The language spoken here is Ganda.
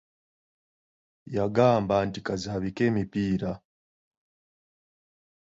Yagamba nti kazabike emipiira.